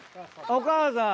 お母さん！